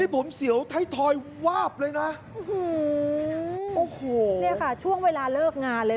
ผมเสียวไทยทอยวาบเลยนะโอ้โหเนี่ยค่ะช่วงเวลาเลิกงานเลย